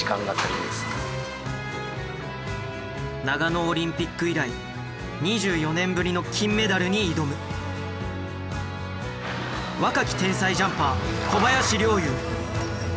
長野オリンピック以来２４年ぶりの金メダルに挑む若き天才ジャンパー小林陵侑。